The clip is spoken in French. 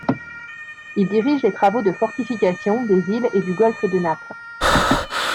Il dirige les travaux de fortification des îles et du Golfe de Naples.